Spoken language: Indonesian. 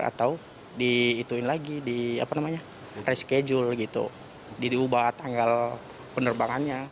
atau diituin lagi di reschedule diubah tanggal penerbangannya